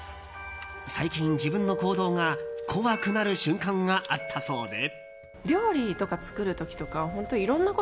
最近、自分の行動が怖くなる瞬間があったそうで。